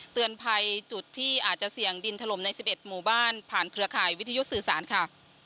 เตือนภัยจุดที่อาจจะเสี่ยงดินถล่มใน๑๑หมู่บ้านผ่านเครือข่ายวิทยุสื่อสารค่ะ